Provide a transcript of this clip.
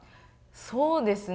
そうですね。